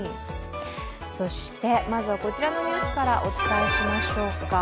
そしてまずはこちらのニュースからお伝えしましょうか。